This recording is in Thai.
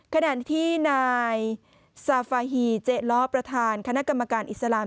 ขณะที่นายซาฟาฮีเจ๊ล้อประธานคณะกรรมการอิสลาม